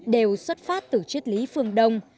đều xuất phát từ triết lý phương đông